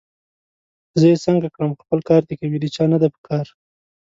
زه یې څنګه کړم! خپل کار دي کوي، د چا نه ده پکار